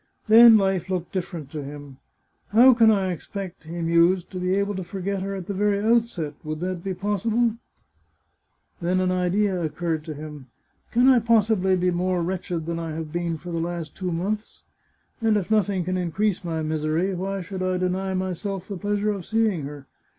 Then life looked different to him. " How can I expect," he mused, " to be able to forget her at the very outset ? Would that be possible ?" Then the idea occurred to him :" Can I possibly be more wretched than I have been for the last two months ? And if nothing can increase my misery, why should I deny myself the pleasure of seeing her